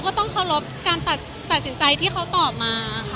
ก็ต้องเคารพการตัดสินใจที่เขาตอบมาค่ะ